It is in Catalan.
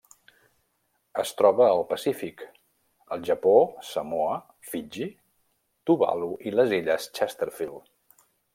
Es troba al Pacífic: el Japó, Samoa, Fiji, Tuvalu i les illes Chesterfield.